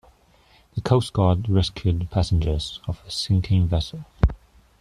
The coast guard rescued passengers of a sinking vessel.